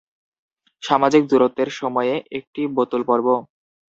সামাজিক দূরত্বের সময়ে একটি বোতল পর্ব?